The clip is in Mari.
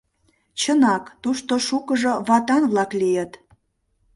Чынак, тушто шукыжо ватан-влак лийыт.